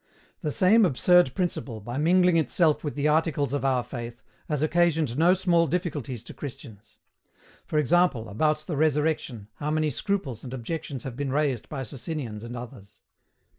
The same absurd principle, by mingling itself with the articles of our faith, has occasioned no small difficulties to Christians. For example, about the Resurrection, how many scruples and objections have been raised by Socinians and others?